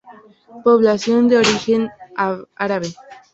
Población de origen árabe.